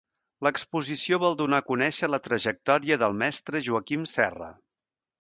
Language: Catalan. L'exposició vol donar a conèixer la trajectòria del Mestre Joaquim Serra.